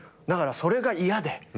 だからそれが嫌で。